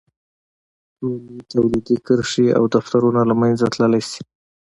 ټولې تولیدي کرښې او دفترونه له منځه تللی شي.